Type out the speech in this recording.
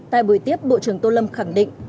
tại buổi tiếp bộ trưởng tô lâm khẳng định